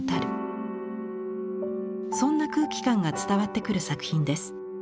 そんな空気感が伝わってくる作品です。